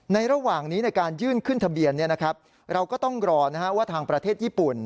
ระหว่างนี้ในการยื่นขึ้นทะเบียนเราก็ต้องรอว่าทางประเทศญี่ปุ่น